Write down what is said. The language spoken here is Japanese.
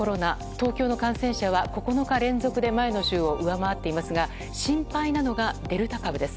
東京の感染者は９日連続で前の週を上回っていますが心配なのが、デルタ株です。